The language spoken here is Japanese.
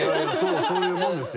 そういうもんですよ